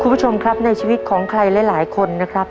คุณผู้ชมครับในชีวิตของใครหลายคนนะครับ